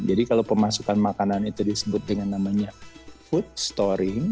jadi kalau pemasukan makanan itu disebut dengan namanya food storing